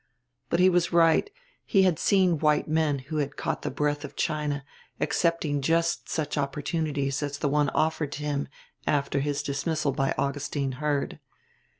But he was right he had seen white men who had caught the breath of China accepting just such opportunities as the one offered to him after his dismissal by Augustine Heard.